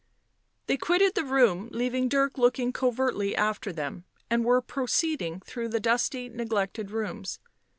They quitted the room, leaving Dirk looking covertly after them, and were proceeding through the dusty, neglected rooms.